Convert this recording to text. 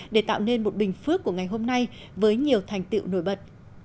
để tạo nên một bình phước của ngày hôm nay với nhiều thành tiệu nổi bật